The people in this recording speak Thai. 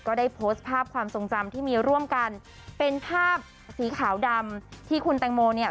ก็ได้โพสต์ภาพความทรงจำที่มีร่วมกันเป็นภาพสีขาวดำที่คุณแตงโมเนี่ย